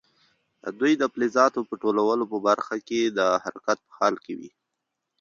دوی د فلزاتو په ټولو برخو کې د حرکت په حال کې وي.